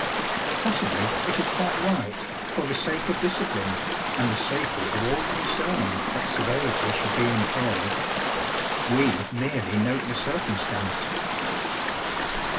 Possibly, it is quite right, for the sake of discipline, and the safety of all concerned, that severity should be employed. We merely note the circumstance.